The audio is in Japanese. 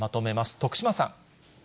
徳島さん。